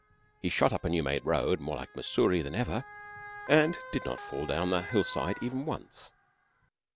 He shot up a new made road, more like Mussoorie than ever, and did not fall down the hillside even once.